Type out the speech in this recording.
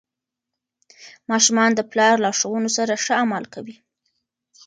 ماشومان د پلار لارښوونو سره ښه عمل کوي.